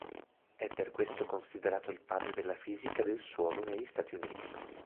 È per questo considerato il padre della fisica del suolo negli Stati Uniti.